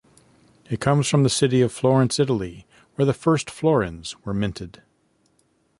It comes from the city of Florence, Italy where the first florins were minted.